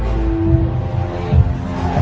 สโลแมคริปราบาล